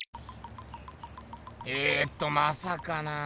えとまさかなあ。